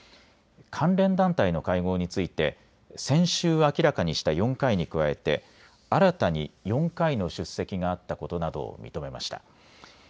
関連団体の会合について先週、明らかにした４回に加えて新たに４回の出席があったことなどを認めました。